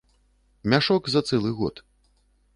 Мяшок за цэлы год.